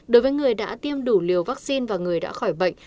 đối với người đã tiêm đủ liều vaccine và người đã khỏi bệnh